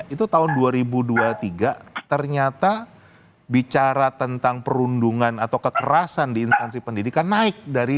itu tahun dua ribu dua puluh tiga ternyata bicara tentang perundungan atau kekerasan di instansi pendidikan naik dari dua ribu dua puluh dua